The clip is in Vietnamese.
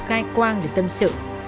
khai quang để tâm sự